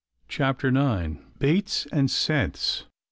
CHAPTER IX. BAITS AND SCENTS.